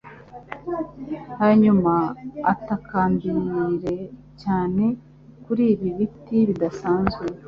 hanyuma utakambire cyane kuri ibi biti bidasanzwe